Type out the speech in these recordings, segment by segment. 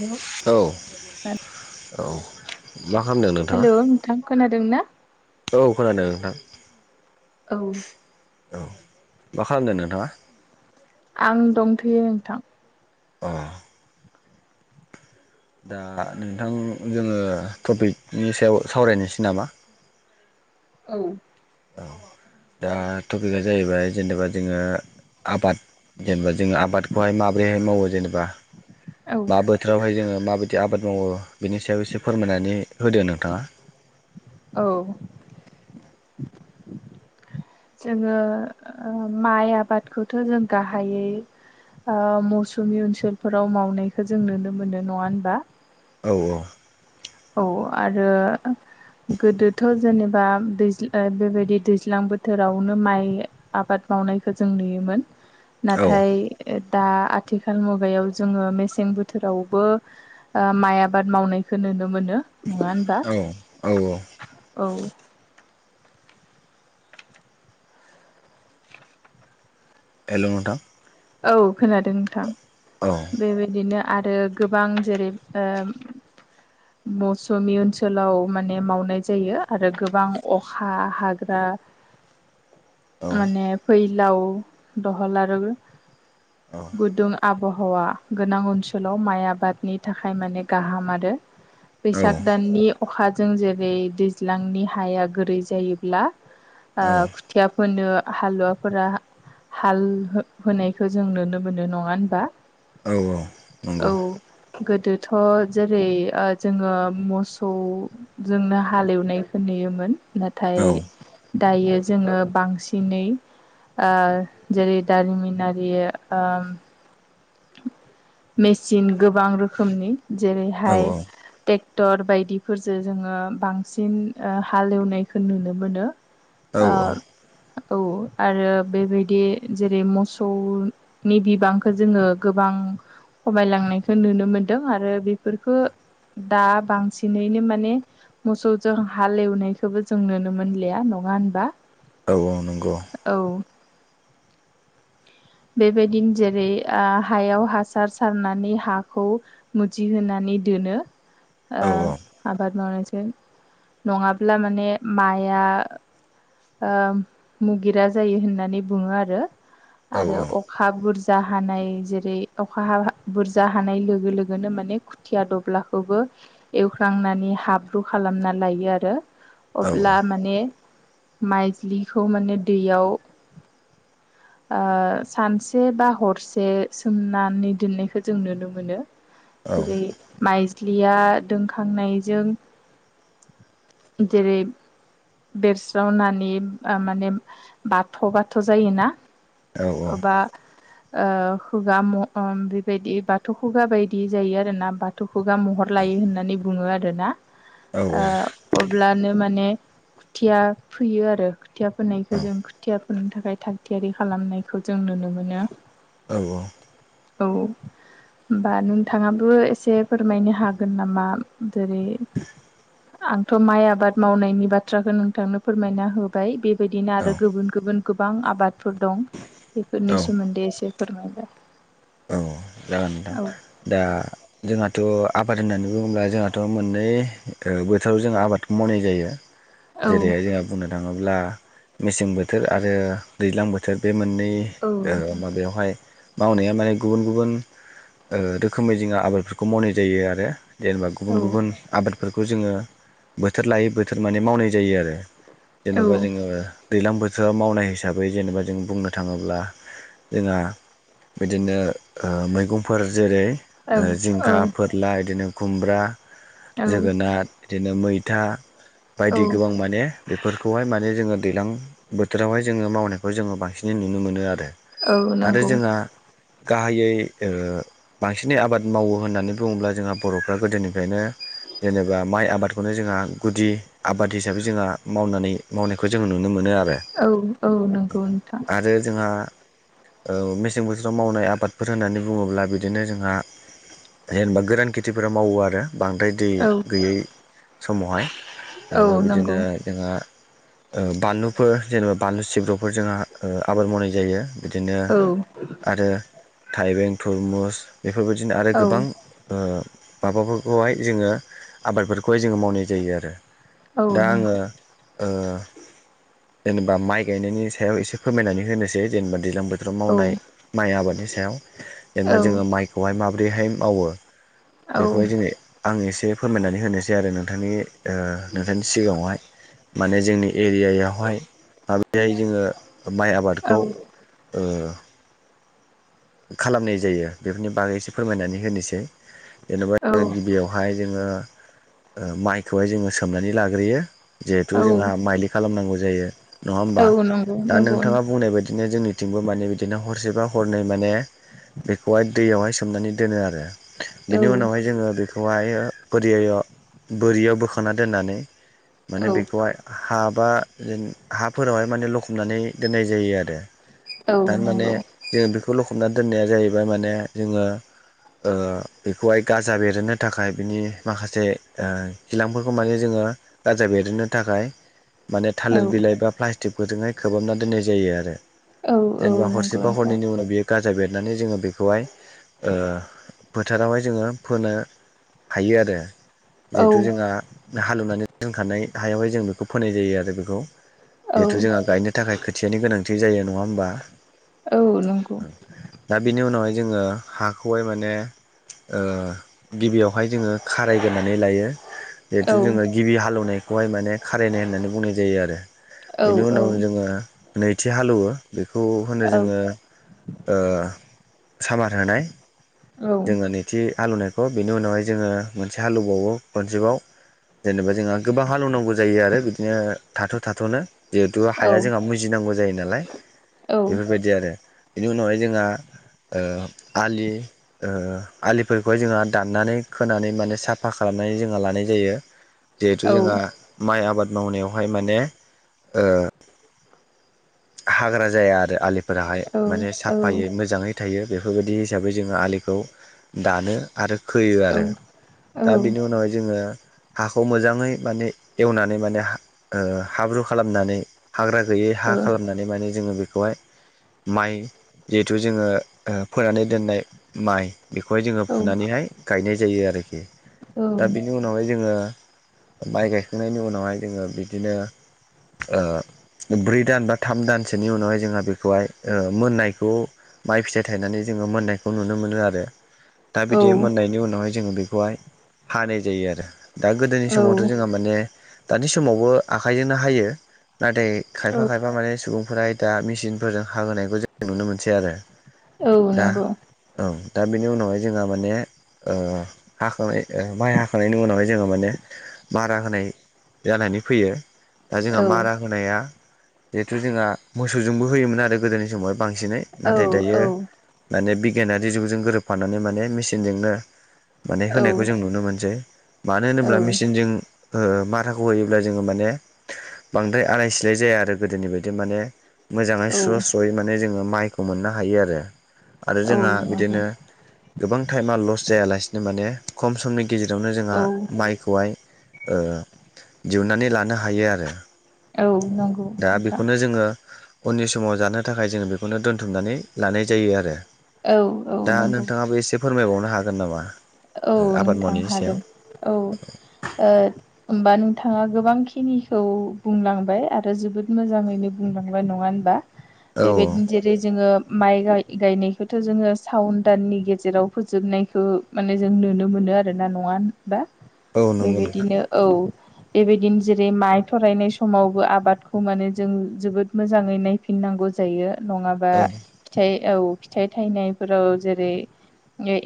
Hello औ। औ मा खालामदों नोंथाङा हेलौ नोंथां खोनादों ना? औ खोनादों नोंथां। औ औ मा खालामदों नोंथाङा। आं दंथैयो नोंथां। [unintelligible] दा नोंथां जोङो टपिकनि सायाव सावरायनोसै नामा। [unintelligible] औ। औ दा टपिकआ जाहैबाय जेनेबा जोङो। आबाद जेनेबा जोंङ आबादखौहाय माबोरैहाय मावो जेनेबा। औ मा बोथोरावहाय जोङो माबायदि आबाद मावो। बिनि सायाव एसे फोरमायनानै होदो नोंथाङा। औ जोङो माइ आबादखौथ' जों गाहायै। मौसुमि ओनसोलफोराव मावनायखौ जों नुनो मोनो नङा होनबा। औ औ। औ आरो। गोदोथ' जेनेबा दैज बेबायदि दैज्लां बोथोरावनो माइ आबाद। मावनायखौ जों नुयोमोन औ नाथाय। दा आथिखाल मुगायाव जोङो मेसें बोथोरावबो माइ आबाद मावनायखौ नुनो मोनो। मोनो नङा होनबा औ औ औ औ। एल' नोंथां। औ खोनादों नोंथां औ बेबायदिनो। आरो गोबां जेरै। मौसुमि ओनसोलाव माने मावनाय जायो आरो गोबां अखा हाग्रा औ माने फैलाव दहल आरो। औ गुदुं आबहावा गोनां ओनसोलाव माइ आबादनि थाखाय माने गाहाम आरो। औ बैसाग दाननि अखाजों जेरै दैज्लांनि हाया गोरै जायोब्ला। औ खुथिया फोनो हालुवाफोरा हाल होनाय। बेखौ जों नुनो मोननाय नङा होनबा। औ औ। औ नंगौ गोदोथ' जेरै जोङो मोसौजोंनो। हालेवनायखौ नुयोमोन औ नाथाय दायो जोङो बांसिनै। जेरै दारिमिनारि। मेचिन गोबां रोखोमनि औ जेरैहाय। ट्रेक्टर बायदिफोरजों जोङो बांसिन हालेवनायखौ नुनो मोनो। औ ओ औ आरो बेबायदि जेरै मोसौनि बिबांखौ जोङो। गोबां खमायलांनायखौ नुनो मोनदों आरो बेफोरफोरखौ दा बांसिनैनो माने। मोसौजों हालेवनायखौबो जों नुनो मोनलिया नङा होनबा। ओव ओव नोंखौ। औ बेबायदिनो जेरै हायाव हासार सारनानै हाखौ मुजिहोनानै। नि दोनो। औ आबाद मावनायसै नङाब्ला माने माइआ। मुगिरा जायो होननानै बुङो आरो औ आरो अखा बुरजा। बुरजा हानाय जेरै अखा ह बुरजा हानाय लोगो लोगोनो माने खुथिया दब्लायखौबो। एवख्रांनानै हाब्रु खालामना लायो आरो अब्ला माने। माइज्लिखौ माने दैयाव। [inaudible] ओ सानसे बा हरसे सोमनानै दिननायखौ जों नुनो मोनो। औ जेरै माइज्लिया दोनखांनायजों जेरै बेसि जावनानै माने बाथ' बाथ' जायोना अबबा ओ खुगा मह बेबायदि बाथौ खुगा बायदि जायो आरोना बाथौ खुगा महर लायो होननानै बुङो आरोना। अब्लानो माने खुथिया फैयो आरो खोथिया फोननायखौ जों खुथियाफोरनि थाखाय थाग थियारि खालामनायखौ जों नुनो मोनो। औ औ औ होमबा नोंथाङाबो एसे फोरमायनो हागोन नामा? जेरै आंथ' माइ आबाद मावनायनि बाथ्राखौ नोंथांनो फोरमायना होबाय बेबायदिनो आरो गुबुन गुबुन गोबां आबादफोर दं बेफोरनि सोमोन्दै एसे फोरमायबाय। औ जागोन नोंथां औ दा जोंहाथ' आबाद होननानै बुङोब्ला जोंहाथ' मोननै ओ बोथोराव जों आबादखौ मावनाय जायो जेरैहाय औ जोंहा बुंनो थाङोब्ला मेसें बोथोर आरो दैज्लां बोथोर बे मोन नै औ ओ नोंथां माबायावहाय मावनाया माने गुबुन गुबुन ओ रोखोमै जोङो आबादफोरखौ मावनाय जायो आरो, जेनेबा गुबुन औ गुबुन आबाद खौ जोङो बोथोर लायो बोथोर माने मावनाय जायो आरो औ जेन'बा जोङो दैज्लां बोथोराव मावनाय हिसाबै जेनेबा जों बुंनो थाङोब्ला जोंहा बिदिनो ओ मैगंफोर जेरै औ जिंखा, फोरला इदिनो खुमब्रा औ जोगोनार बिदिनो मैथा औ बायदि गोबां माने बेफोरखौहाय माने जोङो दैज्लां बोथोरावहाय जोङो मावनायखौ जोङो बांसिनै नुनो मोनो आरो। औ नंगौ। गाहाइयै ओ बांसिनै आबाद मावो होननानै बुङोब्ला जोंहा बर'फ्रा गोदोनिफ्रायनो जेनेबा माइ आबादखौनो जोंहा गुदि आबाद हिसाबै जोंहा मावनानै मावनायखौ जोङो नुनो मोनो आरो। औ औ नंगौ नोंथां आरो जोंहा ओ मेसें बोथोराव मावनाय आबाद फोर होननानै बुङोब्ला बिदिनो जोंहा जेनेबा गोरान खेथिफोरा मावो आरो बांद्राय दै औ गैयै समावहाय औ जेनेबा नंगौ बिदिनो जोंहा ओ बानलुफोर जेनेबा बानलु सिब्रुफोर जोंहा ओ आबाद मावनाय जायो। बिदिनो औ आरो थाइबें थरमुस बेफोर बायदिनो आरो औ गोबां ओ माबाफोरखौहाय जोङो आबादफोरखौहाय जोङो मावनाय जायो आरो। औ दा आङो नंगौ ओ जेनेबा माइ गायनायनि सायाव एसे फोरमायनानै होनोसै जेनेबा दैज्लां बोथोराव औ मावनाय माइ आबादनि सायाव। औ जेनेबा जोङो माइखौहाय माबोरैहाय मावो। औ बेखौहाय जोङो आं एसे फोरमायनानै होनोसै आरो नोंथांनि ओ नोंथांनि सिगाङावहाय। माने जोंनि एरियायावहाय माबोरैहाय जोङो ओ माइ आबादखौ ओ खालामनाय जायो, बेफोरनि बागै एसे फोरमायनानै होनिसै। जेनेबा [inaudible] गिबियावहाय जोङो ओ माइखौहाय जोङो सोमनानै लाग्रोयो। जिहेथु औ जोंहा माइलि खालामनांगौ जायो नङा औ होमबा? नंगौ दा नंगौ नोंथाङा बुंनाय बादिनो जोंनि थिंबो माने बिदिनो हरसे बा हरनै माने बेखौहाय दैयावहाय सोमनानै दोनो आरो। औ बेनि उनावहाय जोङो बे खौहाय बोरियायाव बोरियाव बोखांना दोननानै माने औ बेखौहाय हा बा हाफोरावहाय माने लखबनानै दोननाय जायो आरो। औ थारमाने नंगौ जों बेखौ लखबना दोननाया जाहैबाय माने जोङो ओ बेखौहाय गाजा बेरहोनो थाखाय बिनि माखासे खिलांफोरखौ माने जोङो ओ गाजा बेरहोनो थाखाय माने औ थालिर बिलाइ बा प्लास्टिकफोरजोंहाय खोबहाबना दोननाय जायो आरो। औ जेनेबा हरसे नंगौ बा नोंथां हरनैनि उनाव बेयो बेरनानै जोङो बेखौहाय ओ फोथारावहाय जोङो फोनो हायो आरो, औ जिहेथु जोंहा हालेवनानै दोनखानाय हायावहाय जों बेखौ फोनाय जायो आरो बेखौ। औ जिहेथु जोंहा गायनो थाखाय खोथियानि गोनांथि जायो नङा होमबा? औ नंगौ। दा बेनि उनावहाय जोङो हाखौहाय माने ओ गिबियावहाय जोङो खारायग्रोनानै लायो। औ जिहेथु जोङो गिबि हालेवनायखौहाय माने खारायनाय होननानै बुंनाय जायो आरो औ बेनि औ उनाव जोङो नैथि हालेवो बेखौ होनो औ जोङो ओ सामार होनाय जोङो नैथि हालौवनायखौ बेनि उनावहाय जोङो मोनसे हालेवबावो खनसेबाव जेनेबा जोंहा गोबां हालौनांगौ जायो आरो बिदिनो थाथ' थाथ'नो जिहेथु हाया जोंहा मुजिनांगौ जायो नालाय बेफोरबायदि आरो बेनि उनावहाय जोंहा आलि आलिफोरखौहाय जोंहा दाननानै खोनानै माने साफा खालामनानै जोंहा लानाय जायो जिहेथु जोंहा माइ आबाद मावनायावहाय माने हाग्रा जाया आरो आलिफोराहाय माने साफायै मोजाङै थायो बेफोरबायदि हिसाबै जोङो आलिखौ दानो आरो खोयो आरो दा बिनि उनावहाय जोङो हाखौ मोजाङै माने एवनानै माने हाब्रु खालामनानै हाग्रा गैयै हा औ खालामनानै माने जोङो बेखौहाय माइ जिहेथु जोङो फोनानै दोननाय माइ बेखौहाय जोङो औ फुनानैहाय गायनाय जायो आरोखि औ दा बेनि उनावहाय जोङो माइ गायखांनायनि उनावहाय जोङो बिदिनो ब्रै दान बा थाम दानसोनि उनावहाय जोंहा बेखौहाय मोननायखौ माइ फिथाइ थायनानै जोङो मोननायखौ नुनो मोनो मोनो आरो दा बिदि औ मोननायनि उनावहाय जोङो बेखौहाय हानाय जायो आरो दा गोदोनि औ समावथ' जोंहा माने दानि समावबो आखाइजोंनो हायो नाथाय खायफा खायफा माने सुबुंफोरा दा मेसिनफोरजों हा होनायखौ जों नुनो मोनसै आरो औ दा नंगौ औ दा बेनि उनावहाय जोंहा माने हाखांनाय माइ हाखांनायनि उनावहाय जोङो माने मारा होनाय जानानै फैयो दा औ जोंहा मारा होनाया जिहेथु जोंहा मोसौजोंबो होयोमोन आरो गोदोनि समावहाय बांसिनै औ नाथाय दायो माने दानि जुगजों गोरोबफानानै माने मेसििनजोंनो माने औ होनायखौ जों नुनो मोनसै मानो होनोब्ला औ मेसिनजों माराखौ होयोब्ला जोङो माने बांद्राय आलाय सिलाय जाया आरो गोदोनि बायदि बिदि माने मोजाङै स्र' स्र'यै माने जोङो माइखौ मोननो हायो आरो आरो औ जोंहा नंगौ बिदिनो गोबां टाइमा लस जायालासिनो माने खम समनि गेजेरावनो जोंहा औ माइखौहाय दिहुननानै लानो हायो आरो औ नंगौ दा नोंथां बेखौनो जोङो उननि समाव जानो थाखाय जोङो बेखौनो दोनथुमनानै लानाय जायो आरो औ औ दा नंगौ नोंथाङाबो एसे फोरमायबावनो हागोन नामा औ आबाद नोंथां मावनायनि सायाव हागोन औ होमबा नोंथाङा गोबांखिनिखौ बुंलांबाय आरो जोबोद मोजाङैनो बुंलांबाय नङा होनबा औ बेबायदिनो जेरै जोङो माइाय गायनायखौथ' जोङो सावन दाननि गेजेराव फोजोबनायखौ माने जों नुनो मोनो आरो आरोना नङा बा औ नंगौ नोंथां बेबायदिनो औ बेबायदिनो जेरै माइ थरायनाय समावबो आबादखौ माने जों जोबोद मोजाङै नायफिन नांगौ जायो नङाबा औ फिथाय औ फिथाइ थायनायफोराव जेरै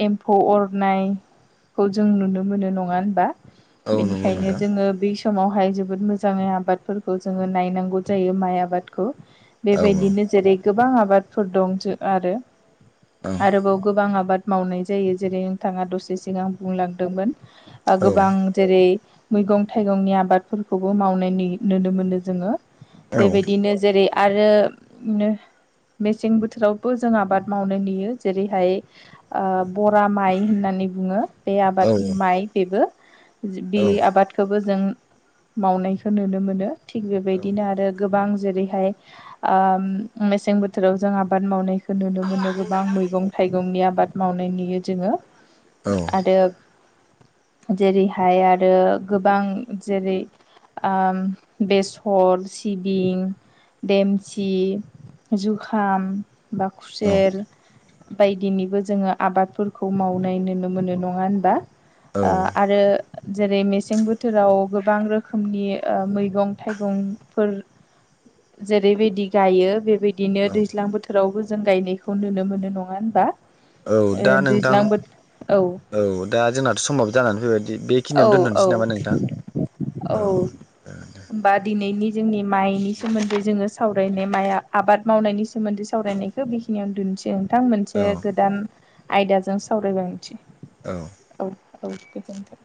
एम्फौ अरनाय खौ जों नुनो मोनो नङा होनबा औ नंगौ बेनिखायनो नोंथां जोङो बै सम समावहाय जोबोद मोजाङै आबादफोरखौ जोङो नायनांगौ जायो माइ आबादखौ औ औ बेबायदिनो जेरै गोबां आबादफोर दं जों आरो औ आरोबाव गोबां आबाद मावनाय जायो जेरै नोंथाङा दसे सिगांं बुंलांदोंमोन औ गोबां जेरै मैगं थाइगंनि आबादफोरखौबो माव नुनो मोनो जोङो बेबायदिनो जेरै आरो बिनो मेसें बोथोरावबो जों आबाद मावनो नुयो जेरैहाय बरा माइ होननानै नानै बुङो बे औ आबाद माइ बेबो बि आबादखौबो जों मावनायखौ नुनो मोनो थिग बेबायदिनो आरो गोबां जेरैहाय ओ मेसें बोथोराव जों आबाद मावनाय खौ नुनो मोनो गोबां मैगं थाइगंनि आबाद मावनाय नुयो जोङो। आरो जेरैहाय आरो गोबां जेरै ओम बेसर सिबिं देमसि जुखाम बा औ खुसेर बायदिनिबो जोङो आबादफोरखौ मावनाय नुनो मोनो नङा होनबा। आरो जेरै मेसें बोथोराव गोबां रोखोमनि मैगं थाइगंफोर जेरैबायदि गायो बेबायदि दिनो औ दैज्लां बोथोरावबो जों गायनायखौ नुनो मोनो नङा होनबा। औ दा ओ नोंथां दैज्लां बोथोर औ दा जोंनाथ' समाबो जानानै फैबायदि बे औ औ औ होमबा दि नैनि जोंनि माइनि सोमोन्दै जोङो सावरायनाय माइ आबाद मावनायनि सोमोन्दै सावरायनायखौ बेखिनियावनो दोननोसै ओं। नोंथां औ मोनसे गोदान आयदाजों सावरायलायनसै औ औ गोजोनथों।